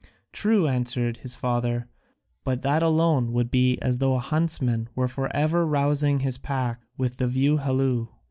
"True," answered his father, "but that alone would be as though a huntsman were for ever rousing his pack with the view halloo.